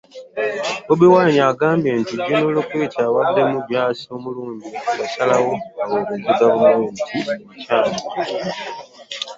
Bobi Wine yagambye nti General Lokech abadde omujaasi omulungi eyasalawo aweereze gavumenti enkyamu.